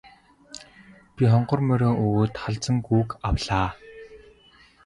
Би хонгор морио өгөөд халзан гүүг авлаа.